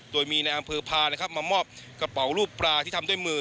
โดยมีในอำเภอพานะครับมามอบกระเป๋ารูปปลาที่ทำด้วยมือ